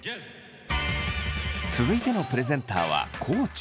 続いてのプレゼンターは地。